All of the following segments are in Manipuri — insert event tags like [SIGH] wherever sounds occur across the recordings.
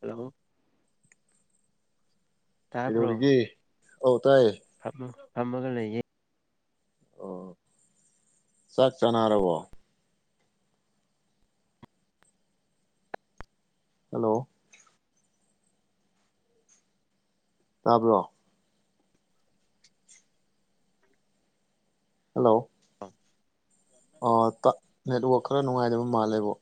ꯍꯜꯂꯣ ꯀꯩꯗꯧꯔꯤꯒꯦ ꯍꯧ ꯐꯝ ꯐꯃꯒ ꯂꯩꯌꯦ ꯑꯣ ꯆꯥꯛ ꯆꯥꯅꯔꯕꯣ ꯍꯜꯂꯣ ꯇꯥꯕ꯭ꯔꯣ ꯍꯜꯂꯣ ꯑꯣ ꯇ ꯅꯦꯠꯋꯥꯛ ꯈꯔ ꯅꯨꯡꯉꯥꯏꯗꯕ ꯃꯥꯜꯂꯦꯕꯣ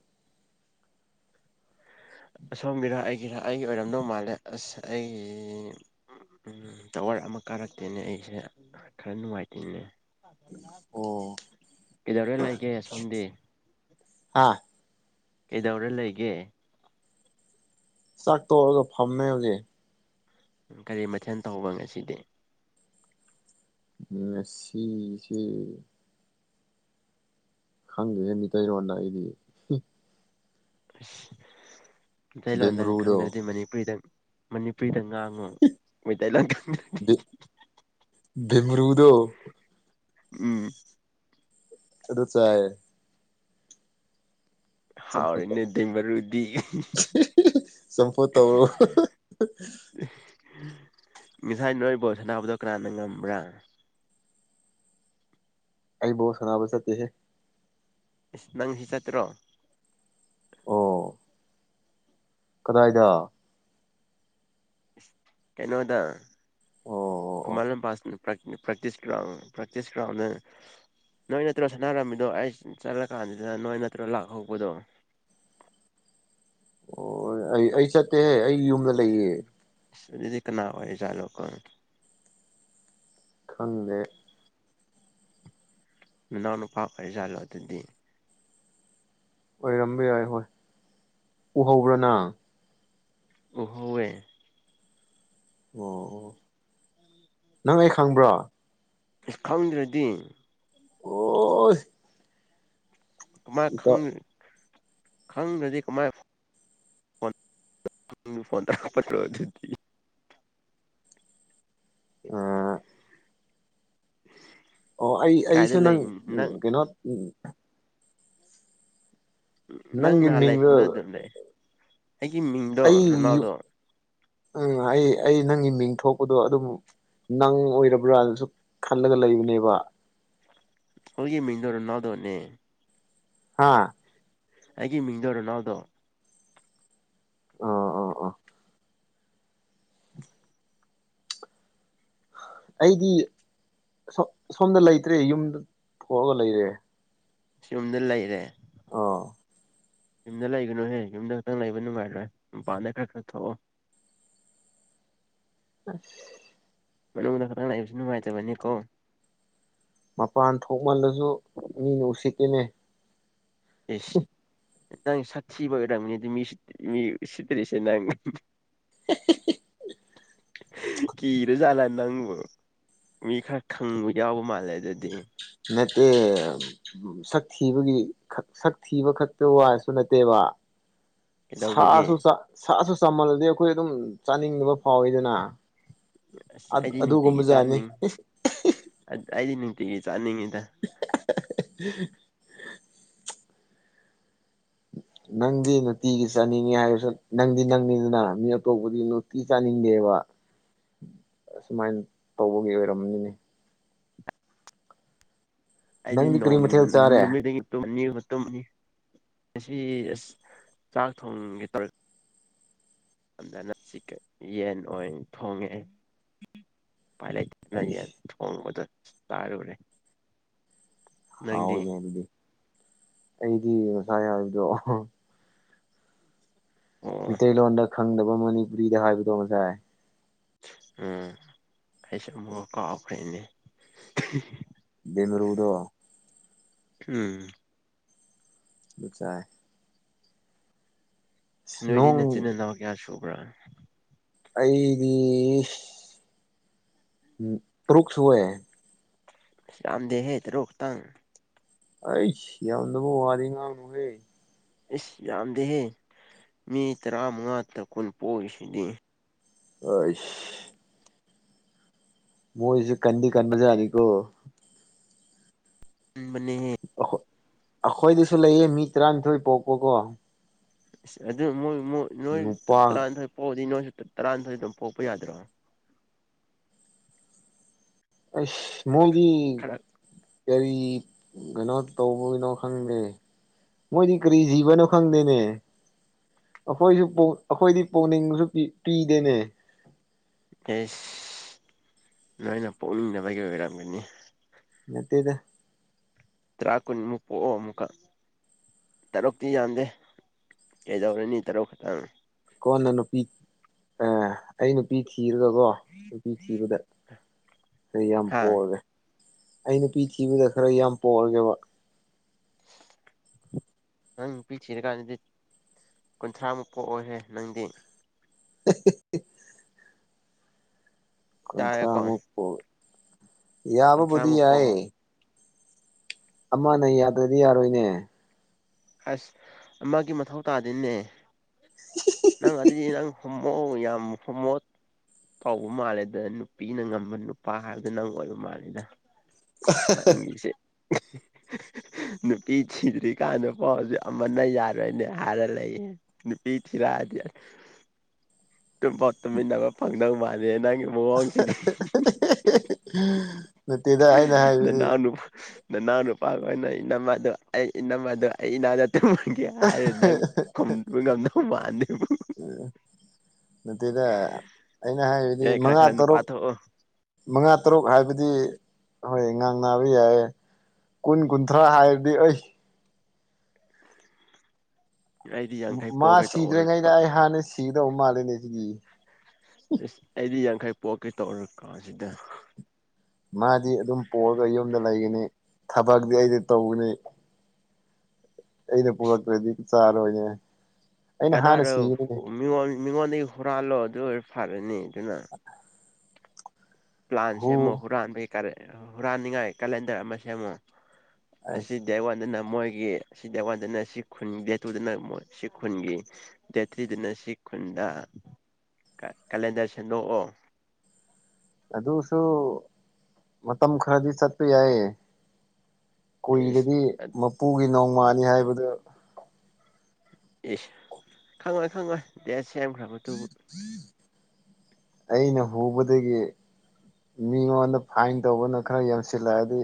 ꯑꯁꯣꯝꯒꯤꯔ ꯑꯩꯒꯤꯔ ꯑꯩꯒꯤ ꯑꯣꯏꯔꯝꯗꯧ ꯃꯥꯜꯂꯦ ꯑꯁ ꯑꯩ ꯎꯝ ꯇꯋꯥꯔ ꯑꯃ ꯀꯥꯔꯛꯇꯦꯅꯦ ꯑꯩꯁꯦ ꯈꯔ ꯅꯨꯡꯉꯥꯏꯇꯦꯅꯦ ꯑꯣ ꯀꯩꯗꯧꯔ ꯂꯩꯒꯦ ꯁꯣꯝꯗꯤ ꯍꯥ ꯀꯩꯗꯧꯔ ꯂꯩꯒꯦ ꯆꯥꯛ ꯇꯣꯛꯑꯒ ꯐꯝꯃꯦ ꯍꯧꯖꯤꯛ ꯀꯔꯤ ꯃꯊꯦꯜ ꯇꯧꯕ ꯉꯁꯤꯗꯤ ꯎꯝ ꯉꯁꯤꯁꯦ ꯈꯪꯗꯦꯍꯦ ꯃꯤꯇꯩꯔꯣꯟꯗ ꯑꯩꯗꯤ [UNINTELLIGIBLE] ꯑꯁ ꯃꯤꯇꯩꯂꯣꯟꯗ ꯕꯦꯝꯕ꯭ꯔꯨꯗꯣ ꯈꯪꯗ꯭ꯔꯗꯤ ꯃꯅꯤꯄꯨꯔꯤꯗ ꯃꯅꯤꯄꯨꯔꯤꯗ ꯑꯉꯥꯡ ꯑꯃ ꯃꯩꯇꯩ ꯂꯥꯟ ꯈꯪꯗ [UNINTELLIGIBLE] ꯍꯤꯛ ꯍꯤꯛ ꯍꯤꯛ ꯚꯦꯃꯔꯨꯗꯣ [UNINTELLIGIBLE] ꯎꯝ ꯑꯗꯨ ꯆꯥꯏ ꯆꯝꯐꯨꯠꯇ ꯍꯥꯎꯔꯦꯅꯦ ꯗꯦꯃꯔꯨꯗꯤ ꯆꯝꯐꯨꯠ ꯇꯧꯔꯣ ꯍꯥꯍꯥꯍꯥ ꯉꯁꯥꯏ ꯅꯣꯏ ꯕꯣꯜ ꯁꯅꯥꯕꯗꯣ ꯀꯅꯥꯅ ꯉꯝꯕ꯭ꯔꯥ ꯑꯩ ꯕꯣꯜ ꯁꯅꯥꯕ ꯆꯠꯇꯦꯍꯦ ꯏꯁ ꯅꯪꯁꯨ ꯆꯠꯇ꯭ꯔꯣ ꯑꯣ ꯀꯗꯥꯏꯗ ꯀꯩꯅꯣꯗ ꯑꯣ ꯑꯣ ꯑꯣ ꯈꯨꯃꯟ ꯂꯝꯄꯥꯛꯇ ꯄ꯭ꯔ ꯄ꯭ꯔꯛꯇꯤꯁ ꯒ꯭ꯔꯥꯎꯟ ꯄ꯭ꯔꯇꯤꯁ ꯒ꯭ꯔꯥꯎꯟꯗ ꯅꯣꯏ ꯅꯠꯇ꯭ꯔꯣ ꯁꯥꯟꯅꯔꯝꯃꯤꯗꯣ ꯑꯩ ꯆꯠꯂ ꯀꯥꯟꯁꯤꯗ ꯅꯣꯏ ꯅꯠꯇ꯭ꯔꯣ ꯂꯥꯛꯍꯧꯕꯗꯣ ꯑꯣ ꯑꯩ ꯑꯩ ꯆꯠꯇꯦꯍꯦ ꯑꯩ ꯌꯨꯝꯗ ꯂꯩꯌꯦ [UNINTELLIGIBLE] ꯑꯗꯨꯗꯤ ꯀꯅꯥ ꯑꯣꯏꯖꯥꯠꯂꯣꯀꯣ ꯈꯪꯗꯦ ꯃꯅꯥꯎꯅꯨꯄꯥ ꯑꯣꯏꯖꯥꯠꯂꯣ ꯑꯗꯨꯗꯤ ꯑꯣꯏꯔꯝꯕ ꯌꯥꯏ ꯍꯣꯏ ꯎꯍꯧꯕ꯭ꯔ ꯅꯪ ꯎꯍꯧꯋꯦ ꯑꯣ ꯅꯪ ꯑꯩ ꯈꯪꯕ꯭ꯔꯣ ꯈꯪꯗ꯭ꯔꯗꯤ ꯑꯣ [UNINTELLIGIBLE] ꯀꯃꯥ ꯏꯇ ꯈꯪꯅ ꯈꯪꯗ꯭ꯔꯗꯤ ꯀꯃꯥꯏ [UNINTELLIGIBLE] ꯐꯣꯟꯗ ꯍꯥꯞꯄꯗꯣ ꯑꯗꯨꯗꯤ ꯑ [UNINTELLIGIBLE] ꯑꯣ ꯑꯩ ꯀꯥꯏꯗ ꯑꯩꯁꯨ ꯅꯪ ꯂꯩ ꯎꯝ ꯅꯪ ꯀꯩꯅꯣ ꯎꯝ ꯅꯪ ꯅꯪꯒꯤ ꯅꯍꯥꯟ ꯃꯤꯡꯗꯣ ꯂꯥꯏꯐꯝꯗ ꯑꯗꯨꯝ ꯂꯩ ꯑꯩꯒꯤ ꯃꯤꯡꯗꯣ ꯑꯩ ꯔꯣꯅꯥꯜꯗꯣ ꯎꯝ ꯑꯩ ꯑꯩ ꯅꯪꯒꯤ ꯃꯤꯡ ꯊꯣꯛꯄꯗꯣ ꯑꯗꯨꯕꯨ ꯅꯪ ꯑꯣꯏꯔꯕ꯭ꯔꯥꯅꯁꯨ ꯈꯜꯂꯒ ꯂꯩꯔꯤꯅꯦꯕ ꯍꯣꯢꯒꯤ ꯃꯤꯡꯗꯣ ꯔꯣꯅꯥꯜꯗꯣꯅꯦ ꯍꯥꯥ ꯑꯩꯒꯤ ꯃꯤꯡꯗꯣ ꯔꯣꯅꯥꯜꯗꯣ ꯑꯣ ꯑꯣ ꯑꯣ ꯑꯩꯗꯤ ꯁꯣꯝꯗ ꯂꯩꯇ꯭ꯔꯦ ꯌꯨꯝꯗ ꯊꯣꯛꯑꯒ ꯂꯩꯔꯦ ꯌꯨꯝꯗ ꯂꯩꯔꯦ ꯑꯣ ꯌꯨꯝꯗ ꯂꯩꯒꯅꯨꯅꯦ ꯌꯨꯝꯗ ꯈꯛꯇꯪ ꯂꯩꯕ ꯅꯨꯡꯉꯥꯏꯔꯣꯏ ꯃꯄꯥꯟꯗ ꯈꯔ ꯈꯔ ꯊꯣꯛꯑꯣ ꯑꯁ ꯃꯅꯨꯡꯗ ꯈꯛꯇꯪ ꯂꯩꯕꯁꯨ ꯅꯨꯡꯉꯥꯏꯇꯕꯅꯤꯀꯣ ꯃꯄꯥꯟ ꯊꯣꯛꯃꯜꯂꯁꯨ ꯃꯤꯅ ꯎꯁꯤꯠꯇꯦꯅꯦ ꯏꯁ ꯅꯪ ꯁꯥꯛ ꯊꯕꯒꯤ ꯑꯣꯏꯔꯝꯅꯤ ꯃꯤ ꯃꯤ ꯎꯁꯤꯠꯇ꯭ꯔꯤꯁꯦ ꯅꯪ [UNINTELLIGIBLE] ꯀꯤꯔꯖꯥꯠꯂꯥ ꯅꯪꯕꯨ ꯃꯤ ꯈꯔ ꯈꯪꯕ ꯌꯥꯎꯕ ꯃꯥꯜꯂꯦ ꯑꯗꯨꯗꯤ ꯅꯠꯇꯦ ꯁꯛ ꯊꯤꯕꯒꯤ ꯁꯛ ꯊꯤꯕ ꯈꯛꯇ ꯋꯥꯁꯨ ꯅꯠꯇꯦꯕ [INAUDIBLE] ꯀꯩꯗꯧꯕꯒꯤ ꯁꯥꯁꯨ ꯁꯥꯁꯨ ꯆꯃꯜꯂꯗꯤ ꯑꯩꯈꯣꯏ ꯑꯗꯨꯝ ꯆꯥꯅꯤꯡꯗꯕ ꯐꯥꯎꯋꯤꯗꯅ ꯑꯁ ꯑꯩꯗꯤ ꯅꯨꯡꯇꯤꯒꯤ ꯑꯗꯨꯒꯨꯝꯕꯖꯥꯠꯅꯦ ꯆꯥꯅꯤꯡ ꯑꯩꯗꯤ ꯅꯨꯡꯇꯤꯒꯤ ꯆꯥꯅꯤꯡꯉꯤ [UNINTELLIGIBLE] [INAUDIBLE] ꯅꯪꯗꯤ ꯅꯨꯡꯇꯤꯒꯤ ꯆꯥꯅꯤꯡꯉꯤ ꯍꯥꯏꯔꯁꯨ ꯅꯪꯗꯤ ꯅꯪꯅꯤꯗꯅ ꯃꯤ ꯑꯇꯣꯞꯄꯗꯤ ꯅꯨꯡꯇꯤ ꯆꯥꯅꯤꯡꯗꯦꯕ ꯑꯨꯃꯥꯏꯅ ꯇꯧꯕꯒꯤ ꯑꯣꯏꯔꯝꯅꯤꯅꯦ ꯑꯩꯗꯤ ꯅꯪꯗꯤ ꯀꯔꯤ ꯅꯣꯡ ꯃꯊꯦꯜ ꯆꯥꯔꯦ ꯅꯨꯃꯤꯠ ꯈꯨꯗꯤꯡ ꯇꯨꯝꯃꯦꯕ ꯇꯨꯝꯅꯤ ꯉꯁꯤ ꯑꯁ ꯆꯥꯛ ꯊꯣꯡꯒꯦ ꯇꯧꯔ ꯗꯅ ꯁꯤ ꯀꯩ ꯌꯦꯟ ꯑꯣꯏꯅ ꯊꯣꯡꯉꯦ ꯎꯄꯥꯏ ꯂꯩꯇꯗꯅ ꯌꯦꯟ ꯑꯩꯁ ꯊꯣꯡꯕꯗꯣ ꯆꯔꯨꯔꯦ ꯍꯥꯎꯋꯦꯅꯦ ꯑꯗꯨꯗꯤ ꯑꯩꯗꯤ ꯉꯁꯥꯏ ꯍꯥꯏꯕꯗꯣ ꯑꯣ ꯃꯩꯇꯩꯂꯣꯟꯗ ꯈꯪꯗꯕ ꯃꯅꯤꯄꯨꯔꯤꯗ ꯍꯥꯏꯕꯗꯣ ꯉꯁꯥꯏ ꯎꯝ ꯑꯩꯁꯨ ꯑꯃꯨꯛ ꯀꯥꯎꯈ꯭ꯔꯦꯅꯦ ꯌꯦꯟꯃꯔꯨꯗꯣ ꯎꯝ ꯑꯗꯨ ꯆꯥꯏ ꯑꯁ ꯅꯣꯏꯗꯤ ꯅꯣꯡ ꯅꯆꯤꯟ ꯏꯅꯥꯎ ꯀꯌꯥ ꯁꯨꯕ꯭ꯔꯥ ꯑꯩꯗꯤ ꯇ꯭ꯔꯨꯛꯁꯨꯋꯦ ꯌꯥꯝꯗꯦ ꯍꯦ ꯇꯔꯨꯛ ꯈꯇꯪ ꯑꯩꯁ ꯌꯥꯝꯗꯕ ꯋꯥꯗꯤ ꯉꯥꯡꯅꯨꯍꯦ ꯏꯁ ꯌꯥꯥꯝꯗꯦꯍꯦ ꯃꯤ ꯇꯔꯥ ꯃꯉꯥ ꯀꯨꯟ ꯇ ꯄꯣꯛꯂꯤꯁꯤꯗꯤ ꯍꯩꯁ ꯃꯣꯏꯁꯨ ꯀꯟꯗꯤ ꯀꯟꯕꯖꯥꯠꯅꯤꯀꯣ ꯀꯟꯕꯅꯦꯍꯦ ꯑꯩꯈꯣꯏꯗꯁꯨ ꯂꯩꯌꯦ ꯃꯤ ꯇꯔꯥꯅꯤꯊꯣꯏ ꯄꯣꯛꯄꯀꯣ ꯏꯁ ꯑꯗꯨ ꯃꯣꯏ ꯃꯣꯏ ꯅꯣꯏ ꯅꯨꯄꯥ ꯇꯔꯥꯅꯤꯊꯣꯏ ꯐꯥꯎꯕꯗꯤ ꯅꯣꯏꯁꯨ ꯇꯔꯥꯅꯤꯊꯣꯏ ꯑꯗꯨꯝ ꯄꯣꯛꯄ ꯌꯥꯗ꯭ꯔꯣ ꯑꯩꯁ ꯃꯣꯏꯗꯤ ꯈꯔ ꯀꯔꯤ ꯀꯩꯅꯣ ꯇꯧꯕꯩꯅꯣ ꯈꯪꯗꯦ ꯃꯣꯏꯗꯤ ꯀꯔꯤ ꯖꯤꯕꯅꯣ ꯈꯪꯗꯦꯅꯦ ꯑꯩꯈꯣꯏꯁꯨ ꯄꯣꯛ ꯑꯩꯈꯣꯏꯗꯤ ꯄꯣꯛꯅꯤꯡꯉꯁꯨ ꯄꯤꯗꯦꯅꯦ ꯏꯁ ꯅꯣꯏꯅ ꯄꯣꯛꯅꯤꯡꯗꯕꯒꯤ ꯑꯣꯏꯔꯝꯒꯅꯤ ꯅꯠꯇꯦꯗ ꯇ꯭ꯔꯥ ꯀꯨꯟ ꯃꯨꯛ ꯄꯣꯛꯑꯣ ꯑꯃꯨꯛꯀ ꯇꯔꯨꯛꯇꯤ ꯌꯥꯝꯗꯦ ꯀꯩꯗꯧꯔꯨꯅꯤ ꯇꯔꯨꯛ ꯈꯛꯇꯪ ꯀꯣꯟꯅ ꯅꯨꯄꯤ ꯑꯥ ꯑꯩ ꯅꯨꯄꯤ ꯊꯤ ꯊꯤꯔꯒꯀꯣ ꯅꯨꯄꯤ ꯊꯤꯕꯗ ꯑꯩ ꯌꯥꯝ ꯍꯥ ꯄꯣꯛꯑꯒꯦ ꯑꯩ ꯅꯨꯄꯤ ꯊꯤꯕꯗ ꯈꯔ ꯌꯥꯝ ꯄꯣꯛꯑꯒꯦꯕ ꯅꯪ ꯅꯨꯄꯤ ꯊꯤꯔꯀꯥꯟꯗꯗꯤ ꯀꯨꯟꯊ꯭ꯔꯥ ꯃꯨꯛ ꯄꯣꯛꯑꯣ ꯍꯦ ꯅꯪꯗꯤ [UNINTELLIGIBLE] ꯀꯨꯟꯊ꯭ꯔꯥ ꯇꯥꯏꯌꯦꯀꯣ ꯑꯃꯨꯛ ꯄꯣꯛ ꯌꯥꯕꯕꯨꯗꯤ ꯀꯨꯟꯊ꯭ꯔꯥꯃꯨꯛ ꯄꯣꯛꯑꯣ ꯌꯥꯏ ꯑꯃꯅ ꯌꯥꯗ꯭ꯔꯗꯤ ꯌꯥꯔꯣꯏꯅꯦ ꯑꯁ ꯑꯃꯒꯤ ꯃꯊꯧ ꯇꯥꯗꯦꯅꯦ ꯅꯪ ꯑꯗꯨꯗꯤ ꯅꯪ ꯍꯨꯝ ꯃꯣ ꯌꯥꯝ ꯍꯨꯝꯃꯣ ꯀꯧꯕ ꯃꯥꯜꯂꯦꯗ ꯅꯨꯄꯤꯅ ꯉꯝꯕ ꯅꯨꯄꯥ ꯍꯥꯏꯕꯗꯨ ꯅꯪ ꯑꯣꯏꯕ ꯃꯥꯜꯂꯦꯗ ꯅꯪꯒꯤꯁꯦ [INAUDIBLE] ꯅꯨꯄꯤ ꯊꯤꯗ꯭ꯔꯤ ꯀꯥꯟꯗ ꯅꯨꯄꯥꯁꯦ ꯑꯃꯅ ꯌꯥꯔꯣꯏꯅꯦ ꯍꯥꯏꯔ ꯂꯩꯌꯦ ꯅꯨꯄꯤ ꯊꯤ ꯇꯥꯗꯤ [INAUDIBLE] ꯇꯨꯝꯐꯥꯎ ꯇꯨꯝꯃꯤꯟꯅꯕ ꯐꯪꯗꯧ ꯃꯥꯟꯗꯦ ꯅꯪꯒꯤ ꯃꯑꯣꯡꯁꯤꯗꯤ ꯅꯠꯇꯦꯗ ꯑꯩꯅ ꯍꯥꯏꯕꯗꯤ ꯅꯅꯥꯎꯅꯨ ꯅꯅꯥꯎ ꯅꯨꯄꯥꯒ ꯑꯣꯏꯅ ꯏꯅꯝꯃꯗ ꯑꯩ ꯏꯅꯝꯃꯗꯣ ꯑꯩ ꯅꯥꯛꯇ ꯇꯨꯝꯍꯟꯒꯦ ꯍꯥꯏꯔꯒ ꯅꯪ ꯈꯨꯝꯕ ꯉꯝꯗꯧ ꯃꯥꯟꯗꯦ ꯅꯠꯇꯦꯗ ꯑꯩꯅ ꯍꯥꯏꯕꯗꯤ ꯌꯥꯏ ꯈꯔ ꯃꯉꯥ ꯈꯔ ꯅꯨꯄꯥ ꯇꯔꯨꯛ ꯊꯣꯛꯑꯣ ꯃꯉꯥ ꯇꯔꯨꯛ ꯍꯥꯏꯕꯗꯤ ꯍꯣꯏ ꯉꯥꯡꯅꯕ ꯌꯥꯏꯌꯦ ꯀꯨꯟ ꯀꯨꯟꯊ꯭ꯔꯥ ꯍꯥꯏꯔꯗꯤ ꯑꯩꯁ ꯑꯩꯗꯤ ꯌꯥꯡꯈꯩ ꯃꯥ ꯄꯣꯛꯒꯦ ꯇꯧꯔ ꯁꯤꯗ꯭ꯔꯤꯉꯩꯗ ꯑꯩ ꯍꯥꯟꯅ ꯁꯤꯒꯗꯧꯕ ꯃꯥꯜꯂꯤꯅꯦ ꯁꯤꯗꯤ ꯏꯁ ꯑꯩꯗꯤ ꯌꯥꯡꯈꯩ ꯄꯣꯛꯀꯦ ꯇꯧꯔ ꯀꯥꯟꯁꯤꯗ ꯃꯥꯗꯤ ꯑꯗꯨꯝ ꯄꯣꯛꯑꯒ ꯌꯨꯝꯗ ꯂꯩꯒꯅꯤ ꯊꯕꯛꯇꯤ ꯑꯩꯅ ꯇꯧꯒꯅꯤ ꯑꯩꯅ ꯄꯨꯔꯛꯇ꯭ꯔꯗꯤ ꯆꯥꯔꯣꯏꯅꯦ ꯑꯩꯅ ꯍꯥꯟꯅ ꯀꯅꯥꯔꯣ ꯁꯤꯒꯅꯤꯅꯦ ꯃꯤꯉꯣꯟ ꯃꯤꯉꯣꯟꯗꯒꯤ ꯍꯨꯔꯥꯜꯂꯣ ꯑꯗꯨ ꯑꯣꯏꯔꯗꯤ ꯐꯔꯅꯤ ꯑꯗꯨꯅ ꯄ꯭ꯂꯥꯟ ꯍꯨ ꯁꯦꯝꯃꯣ ꯍꯨꯔꯥꯟꯕꯒꯤ ꯀꯂꯦꯟ ꯍꯨꯔꯥꯟꯅꯤꯡꯉꯥꯏ ꯀꯦꯂꯦꯟꯗꯔ ꯑꯃ ꯁꯦꯝꯃꯣ ꯑꯁꯤ ꯑꯩꯁ ꯗꯦꯠ ꯋꯥꯟꯗꯅ ꯃꯣꯏꯒꯤ ꯁꯤ ꯗꯦꯠ ꯋꯥꯟꯗꯅ ꯁꯤ ꯈꯨꯟ ꯗꯦꯠ ꯇꯨꯗꯅ ꯁꯤ ꯈꯨꯟꯒꯤ ꯗꯦꯠ ꯊ꯭ꯔꯤꯗꯅ ꯁꯤ ꯈꯨꯟꯗ ꯀꯦꯂꯦꯟꯗꯔ ꯁꯦꯝꯗꯣꯛꯑꯣ ꯑꯗꯨꯁꯨ ꯃꯇꯝ ꯈꯔꯗꯤ ꯆꯠꯄ ꯌꯥꯏꯌꯦ ꯏꯁ ꯀꯨꯏꯒꯗꯤ ꯃꯄꯨꯒꯤ ꯅꯣꯡꯃꯅꯤ ꯍꯥꯏꯕꯗꯨ ꯏꯁ ꯈꯪꯉꯣꯏ ꯈꯪꯉꯣꯏ ꯗꯦꯠ ꯁꯦꯝꯈ꯭ꯔꯕꯗꯨꯕꯨ ꯑꯩꯅ ꯍꯧꯕꯗꯒꯤ ꯃꯤꯉꯣꯟꯗ ꯐꯥꯏꯟ ꯇꯧꯕꯅ ꯈꯔ ꯌꯥꯝꯁꯤꯜꯂꯛꯑꯗꯤ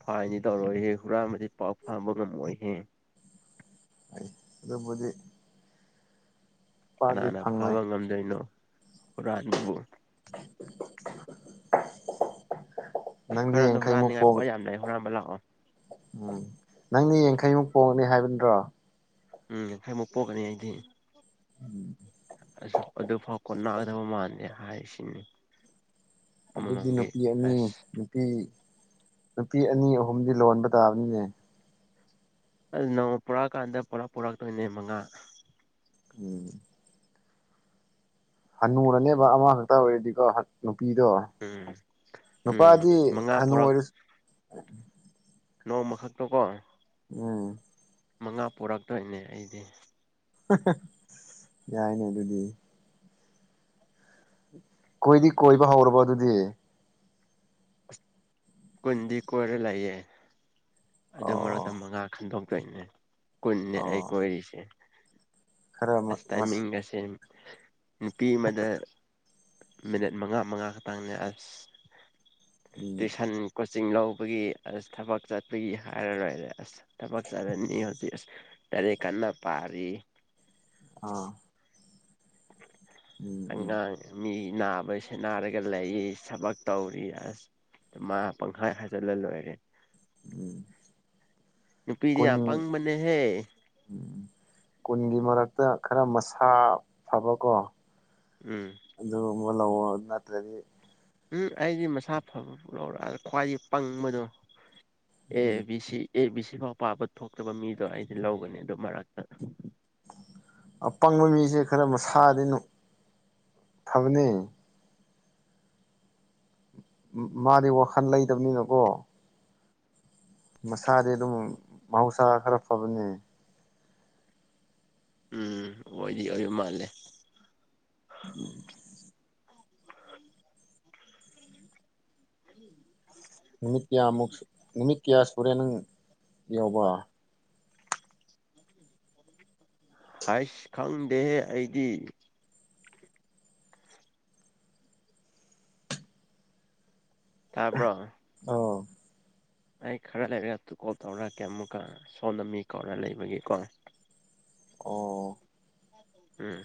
ꯐꯥꯏꯟꯗꯤ ꯇꯧꯔꯣꯏꯍꯦ ꯍꯨꯔꯥꯟꯕꯗꯤ ꯄꯥꯎ ꯇꯥꯕ ꯉꯝꯃꯣꯏꯍꯦ ꯑꯩ ꯑꯗꯨꯕꯨꯗꯤ ꯄꯥꯛꯇꯤ ꯀꯅꯥꯅ ꯐꯪꯉꯣꯏ ꯐꯥꯕ ꯉꯝꯗꯣꯏꯅꯣ ꯍꯨꯔꯥꯟꯕꯕꯨ [INAUDIBLE] ꯈꯔꯅ ꯌꯥꯡꯈꯩꯃꯨꯛ ꯍꯨꯔꯥꯟꯅꯤꯡꯉꯥꯏ ꯄꯣꯛ ꯄꯣꯠ ꯌꯥꯝ ꯂꯩ ꯍꯨꯔꯥꯟꯕ ꯂꯥꯛꯑꯣ ꯎꯝ ꯅꯪꯗꯤ ꯌꯥꯡꯈꯩꯃꯨꯛ ꯄꯣꯛꯅꯤ ꯍꯥꯏꯕ ꯅꯠꯇ꯭ꯔꯣ ꯎꯝ ꯌꯥꯡꯈꯩꯃꯨꯛ ꯄꯣꯛꯀꯅꯤ ꯑꯩꯗꯤ ꯎꯝ ꯑꯗꯨꯐꯥꯎ ꯀꯣꯟ ꯅꯒꯗꯕ ꯃꯥꯜꯗꯦ ꯍꯥꯏꯁꯤꯅꯤ ꯑꯗꯨꯗꯤ ꯃꯃꯥꯡꯒꯤ ꯅꯨꯄꯤ ꯑꯅꯤ ꯑꯁ ꯅꯨꯄꯤ ꯅꯨꯄꯤ ꯑꯅꯤ ꯑꯍꯨꯝꯗꯤ ꯂꯣꯟꯕ ꯇꯥꯕꯅꯤꯅꯦ ꯑꯥ ꯅꯣꯡꯃ ꯄꯨꯔꯛꯑꯀꯥꯟꯗ ꯄꯨꯂꯞ ꯄꯨꯔꯛꯇꯣꯏꯅꯦ ꯃꯉꯥ ꯎꯝ ꯍꯟꯅꯨꯔꯅꯦꯕ ꯑꯃ ꯈꯛꯇ ꯑꯣꯏꯔꯗꯤꯀꯣ ꯍꯅꯨ ꯄꯤꯗꯣ ꯎꯝ ꯎꯝ ꯅꯨꯄꯥꯗꯤ ꯃꯉꯥ ꯍꯅꯨ ꯑꯣꯏꯔꯁꯨ ꯅꯣꯡꯃꯈꯛꯇ ꯀꯣ ꯎꯝ ꯃꯉꯥ ꯄꯣꯔꯛꯇ꯭ꯔꯅꯦ ꯑꯩꯗꯤ ꯍꯥꯍꯥ ꯌꯥꯏꯅꯦ ꯑꯗꯨꯗꯤ ꯀꯣꯏꯗꯤ ꯀꯣꯏꯕ ꯍꯧꯔꯕꯣ ꯑꯗꯨꯗꯤ ꯑꯈꯣꯏꯅꯗꯤ ꯀꯣꯏꯔ ꯂꯩꯌꯦ ꯑꯗꯨ ꯃꯔꯛꯇ ꯑꯣ ꯃꯉꯥ ꯈꯟꯗꯣꯛꯇꯣꯏꯅꯦ ꯀꯨꯟꯅꯦ ꯑꯩ ꯑꯣ ꯀꯣꯏꯔꯤꯁꯦ ꯈꯔ ꯑꯁ ꯃꯁ ꯇꯥꯏꯃꯤꯡ ꯒꯁꯦꯝ ꯅꯨꯄꯤ ꯑꯃꯗ ꯃꯤꯅꯤꯠ ꯃꯉꯥ ꯃꯉꯥ ꯈꯛꯇꯪꯅꯦ ꯑꯁ ꯎꯝ ꯇꯨꯏꯁꯟ ꯀꯣꯆꯤꯡ ꯂꯧꯕꯒꯤ ꯑꯁ ꯊꯕꯛ ꯆꯠꯄꯒꯤ ꯍꯥꯏꯔꯔꯣꯏꯗ ꯑꯁ ꯊꯕꯛ ꯆꯠꯂꯅꯤ ꯍꯧꯖꯤꯛ ꯑꯁ ꯂꯥꯏꯔꯤꯛ ꯀꯟꯅ ꯄꯥꯔꯤ ꯑꯥ ꯎꯝ ꯎꯝ ꯑꯉꯥꯡ ꯑꯅꯤ ꯅꯥꯕꯁꯦ ꯅꯥꯔꯒ ꯂꯩ ꯊꯕꯛ ꯇꯧꯔꯤ ꯑꯁ ꯃꯥ ꯄꯪꯍꯥꯏ ꯍꯥꯏꯖꯜꯂ ꯂꯣꯏꯔꯦ ꯎꯝ ꯅꯨꯄꯤꯗꯤ ꯀꯨꯟ ꯌꯥꯝ ꯄꯪꯕꯅꯦꯍꯦ ꯎꯝ ꯀꯨꯟꯒꯤ ꯃꯔꯛꯇ ꯈꯔ ꯃꯁꯥ ꯐꯕ ꯀꯣ ꯎꯝ ꯋꯣ ꯂꯧꯋꯣ ꯅꯠꯇ꯭ꯔꯗꯤ ꯎꯝ ꯑꯩꯗꯤ ꯃꯁꯥ ꯐꯕ [UNINTELLIGIBLE] ꯈ꯭ꯋꯥꯏ ꯄꯪꯕꯗꯣ A um B C A B ꯁꯤꯐꯥꯎ ꯄꯥꯕ ꯊꯣꯛꯇꯕ ꯃꯤꯗꯣ ꯑꯩꯗꯤ ꯂꯧꯒꯅꯤ ꯑꯗꯨ ꯃꯔꯛꯇ ꯑꯄꯪꯕ ꯃꯤꯁꯦ ꯈꯔ ꯃꯁꯥꯗꯤꯅꯨ ꯐꯕꯅꯦ ꯃꯥꯗꯤ ꯋꯥꯈꯜ ꯂꯩꯇꯕꯅꯤꯅꯀꯣ ꯃꯁꯥꯗꯤ ꯑꯗꯨꯝ ꯃꯍꯧꯁꯥ ꯈꯔ ꯐꯕꯅꯦ ꯎꯝ ꯑꯣꯏꯗꯤ ꯑꯣꯏꯕ ꯃꯥꯜꯂꯦ [INAUDIBLE] [INAUDIBLE] ꯅꯨꯃꯤꯠ ꯀꯌꯥꯃꯨꯛꯁꯨ ꯅꯨꯃꯤꯠ ꯀꯌꯥ ꯁꯨꯔꯦ ꯅꯪ ꯌꯧꯕ ꯍꯥꯏꯁ ꯈꯪꯗꯦꯍꯦ ꯑꯩꯗꯤ ꯇꯥꯕ꯭ꯔꯣ [UNINTELLIGIBLE] ꯑ ꯑꯩ ꯈꯔ ꯂꯩꯔꯒ ꯀꯣꯜ ꯇꯧꯔꯛꯀꯦ ꯑꯃꯨꯛꯀ ꯁꯣꯟꯗ ꯃꯤ ꯀꯧꯔ ꯂꯩꯕꯒꯤꯀꯣ ꯑꯣ [UNINTELLIGIBLE] ꯎꯝ